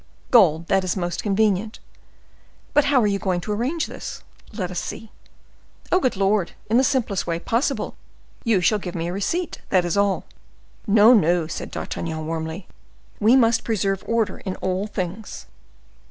"Gold; that is most convenient. But how are we going to arrange this? Let us see." "Oh, good Lord! in the simplest way possible. You shall give me a receipt, that is all." "No, no," said D'Artagnan, warmly; "we must preserve order in all things."